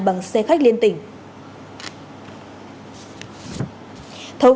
bằng xe khách liên tỉnh